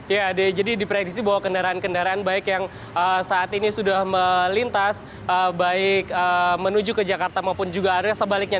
ya ade jadi diprediksi bahwa kendaraan kendaraan baik yang saat ini sudah melintas baik menuju ke jakarta maupun juga area sebaliknya